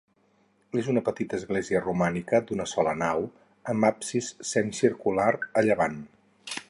És una petita església romànica d'una sola nau, amb absis semicircular a llevant.